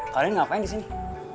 kalian ngapain disini